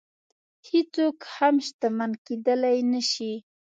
هېڅوک هم شتمن کېدلی نه شي.